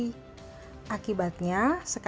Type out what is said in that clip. akibatnya sekarang badan saya sudah berubah